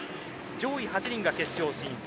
上位８人が決勝進出。